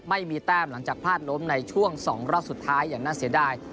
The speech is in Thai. ไม่มีแต้มหลังจากพลาดล้มในช่วง๒รอบสุดท้ายอย่างน่าเสียดาย